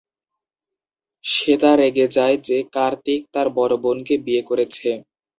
শ্বেতা রেগে যায় যে কার্তিক তার বড় বোনকে বিয়ে করেছে।